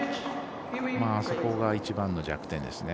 あそこが一番の弱点ですね。